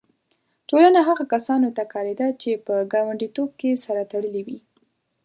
ټولنه هغو کسانو ته کارېده چې په ګانډیتوب کې سره تړلي وي.